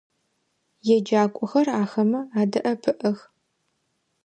Еджакӏохэр ахэмэ адэӏэпыӏэх.